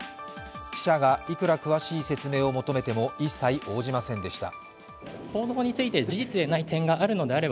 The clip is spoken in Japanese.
記者がいくら詳しい説明を求めても一切応じませんでした。